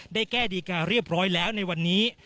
ได้แก้ดีการเรียบร้อยแล้วในวันนี้